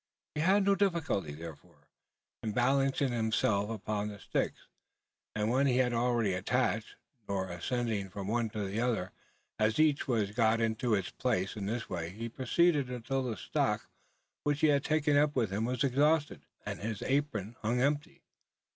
He had no difficulty, therefore, in balancing himself upon the sticks, which he had already attached; nor ascending from one to the other, as each was got into its place. In this way he proceeded, until the stock which he had taken up with him was exhausted, and his apron hung empty.